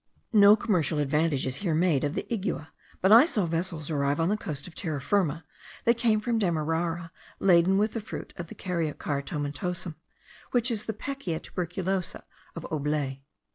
No commercial advantage is here made of the igua; but I saw vessels arrive on the coast of Terra Firma, that came from Demerara laden with the fruit of the Caryocar tomentosum, which is the Pekea tuberculosa of Aublet.